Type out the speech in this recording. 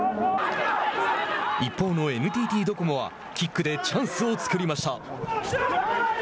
一方のＮＴＴドコモはキックでチャンスを作りました。